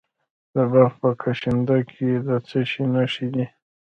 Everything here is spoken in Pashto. د بلخ په کشنده کې د څه شي نښې دي؟